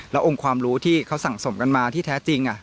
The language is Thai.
แล้วองค์ความรู้ที่เขาสั่งสมกันมาที่แท้จริง